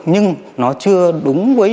nhưng nó chưa đúng với